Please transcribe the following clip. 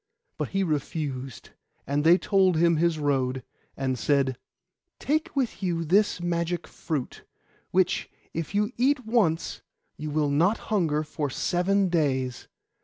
But he refused, and they told him his road, and said, 'Take with you this magic fruit, which, if you eat once, you will not hunger for seven days.